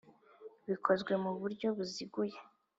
bikozwe mu buryo buziguye